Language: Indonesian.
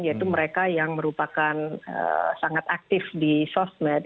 yaitu mereka yang merupakan sangat aktif di sosmed